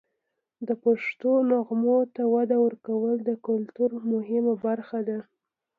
د پښتو نغمو ته وده ورکول د کلتور مهمه برخه ده.